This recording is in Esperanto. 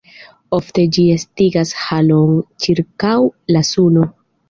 Ofte ĝi estigas haloon ĉirkaŭ la suno.